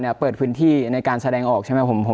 และเปิดพื้นที่ในการแสดงออกใช่ไหมครับผม